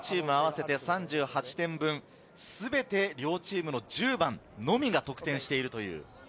両チーム合わせて３８点分、全て両チームの１０番のみが得点しています。